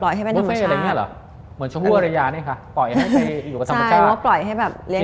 ปล่อยให้เป็นธรรมชาติ